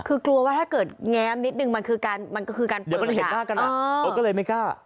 คือกลัวว่าถ้าเกิดแอนนิดนึงมันก็คือการเปิดขึ้น